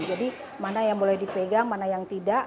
jadi mana yang boleh dipegang mana yang tidak